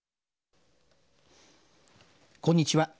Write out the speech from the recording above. こんにちは。